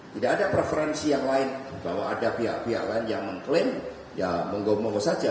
tidak ada preferensi yang lain bahwa ada pihak pihak lain yang mengklaim ya monggo monggo saja